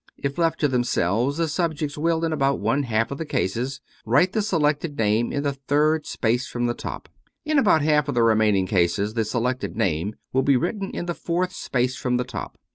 If left to themselves, the subjects will, in about one half of the cases, write the selected name in the third space from the top. In about half of the re maining cases the selected name will be written in the fourth space from the top.